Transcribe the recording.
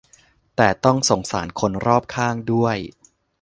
แต่ต้องสงสารคนรอบข้างด้วย